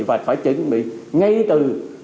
và phải chuẩn bị ngay từ